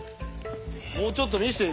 もうちょっと見せてよ